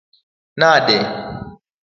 nade?